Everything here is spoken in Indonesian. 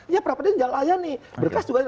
ya pra peradilan jangan layan nih